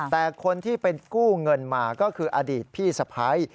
แต่คนที่ไปกู้เงินมาก็คืออดีตพี่สะพ้าย